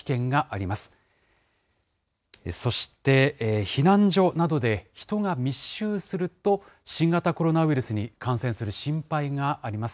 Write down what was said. そして、避難所などで人が密集すると、新型コロナウイルスに感染する心配があります。